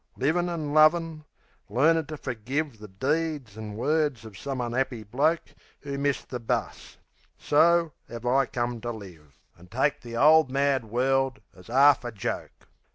Livin' an' lovin'; learnin' to fergive The deeds an' words of some un'appy bloke Who's missed the bus so 'ave I come to live, An' take the 'ole mad world as 'arf a joke.